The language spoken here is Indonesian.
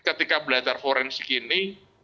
ketika belajar forensik ini